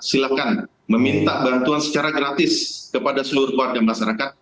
silahkan meminta bantuan secara gratis kepada seluruh warga masyarakat